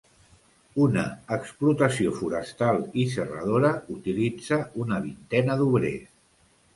Una explotació forestal i serradora utilitza una vintena d'obrers.